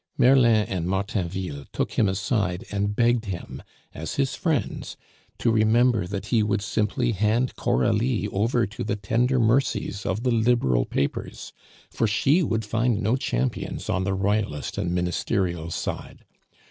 Merlin and Martainville took him aside and begged him, as his friends, to remember that he would simply hand Coralie over to the tender mercies of the Liberal papers, for she would find no champions on the Royalist and Ministerial side.